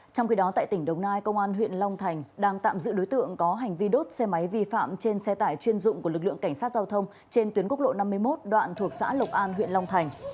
trong khi đó tại tỉnh đồng nai công an huyện long thành đang tạm giữ đối tượng có hành vi đốt xe máy vi phạm trên xe tải chuyên dụng của lực lượng cảnh sát giao thông trên tuyến quốc lộ năm mươi một đoạn thuộc xã lộc an huyện long thành